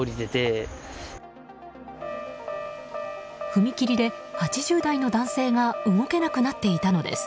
踏切で８０代の男性が動けなくなっていたのです。